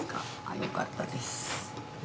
よかったです。